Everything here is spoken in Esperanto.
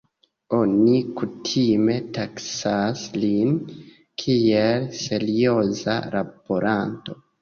Oni kutime taksas lin kiel serioza laboranto.